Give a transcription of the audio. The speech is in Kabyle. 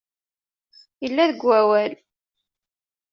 Illa deg wawal.